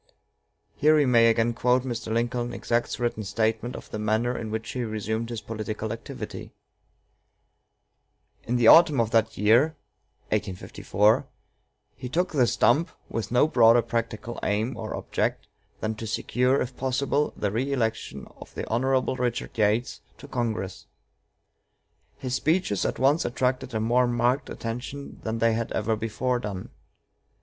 Here we may again quote Mr. Lincoln's exact written statement of the manner in which he resumed his political activity: "In the autumn of that year he took the stump, with no broader practical aim or object than to secure, if possible, the reëlection of Hon. Richard Yates to Congress. His speeches at once attracted a more marked attention than they had ever before done.